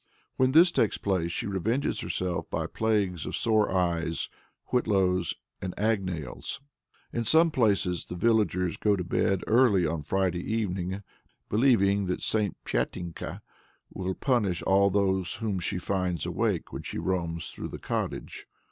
When this takes place, she revenges herself by plagues of sore eyes, whitlows and agnails. In some places the villagers go to bed early on Friday evening, believing that "St. Pyatinka" will punish all whom she finds awake when she roams through the cottage.